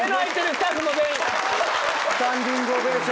スタンディングオベーションでしたよ。